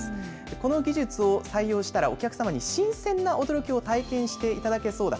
この技術を採用したらお客様に新鮮な驚きを体験していただけそうだ。